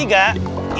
itu nggak perlu